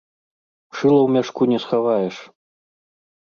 Шыла ў мяшку не схаваеш.